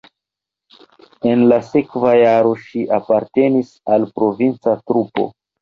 En la sekva jaro ŝi apartenis al provinca trupo.